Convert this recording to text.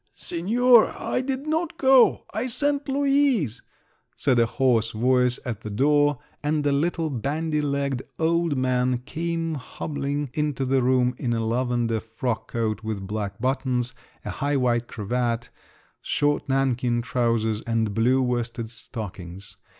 "Signora, I did not go, I sent Luise," said a hoarse voice at the door, and a little bandy legged old man came hobbling into the room in a lavender frock coat with black buttons, a high white cravat, short nankeen trousers, and blue worsted stockings.